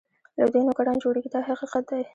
له دوی نوکران جوړېږي دا حقیقت دی.